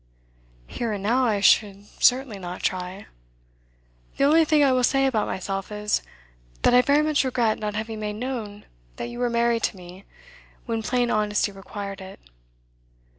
'Here and now, I should certainly not try. The only thing I will say about myself is, that I very much regret not having made known that you were married to me when plain honesty required it.